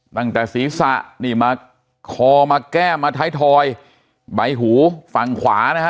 ตั้งแต่ศีรษะนี่มาคอมาแก้มมาท้ายทอยใบหูฝั่งขวานะฮะ